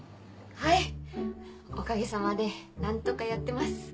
はいおかげさまで何とかやってます。